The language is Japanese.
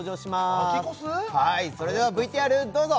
はいそれではＶＴＲどうぞ！